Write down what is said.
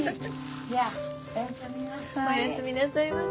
おやすみなさいませ。